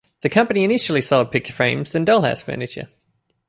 The company initially sold picture frames, then dollhouse furniture.